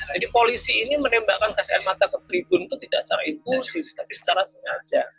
jadi polisi ini menembakkan gas air mata ke tribun itu tidak secara impulsif tapi secara sengaja